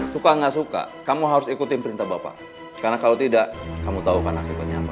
suka gak suka kamu harus ikutin perintah bapak karena kalau tidak kamu tau akan akhirnya apa